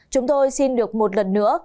chúng tôi xin được một lần nữa